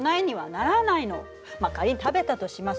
ま仮に食べたとします。